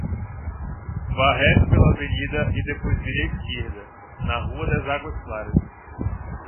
Vá reto pela Avenida e depois vire à esquerda, na Rua das Águas Claras.